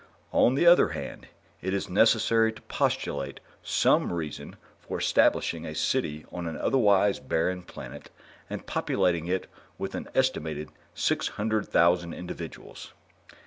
On the other hand, it is necessary to postulate some reason for establishing a city on an otherwise barren planet and populating it with an estimated six hundred thousand individuals.